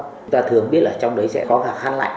chúng ta thường biết là trong đấy sẽ có cả khăn lạnh